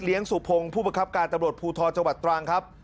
เลี้ยงสุภงผู้ประคับการตำรวจภูทอจังหวัดตรางครับ